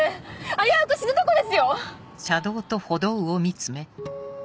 危うく死ぬとこですよ！